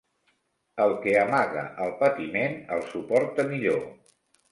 El que amaga el patiment, el suporta millor.